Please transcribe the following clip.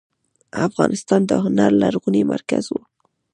افغانستان د هنر لرغونی مرکز و.